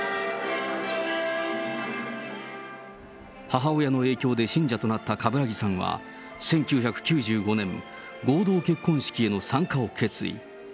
母親の影響で信者となった冠木さんは１９９５年、合同結婚式への参加を決意。